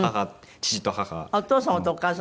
お父様とお母様。